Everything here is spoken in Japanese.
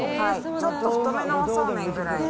ちょっと太めのおそうめんぐらいの。